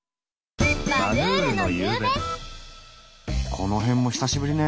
この辺も久しぶりねえ。